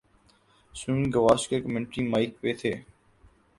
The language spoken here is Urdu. سنیل گواسکر کمنٹری مائیک پہ تھے۔